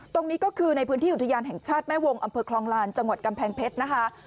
ตรงนี้ก็คือในพื้นที่อุทยานแห่งชาติแม่วงอำเภอคลองลานจังหวัดกำแพงเพชรนะคะ